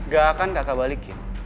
gak akan kakak balikin